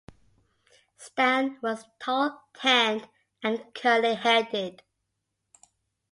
Stan was tall, tanned, and curly-headed.